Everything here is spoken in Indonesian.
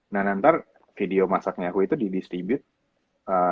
nah nanti video masaknya aku itu di distribute